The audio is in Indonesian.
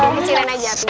kecilin aja bu